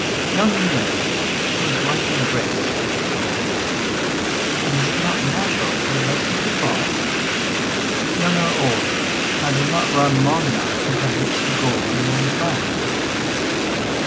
Young in years, he was ripe in grace, and is it not natural for the ripe fruit to fall? Young or old, have they not run long enough who have reached the goal and won the prize?